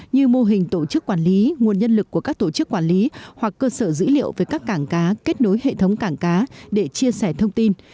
như mô hình tổ chức quản lý nguồn nhân lực của các tổ chức quản lý hoặc cơ sở dữ liệu với các cảng cá kết nối hệ thống cảng cá để chia sẻ thông tin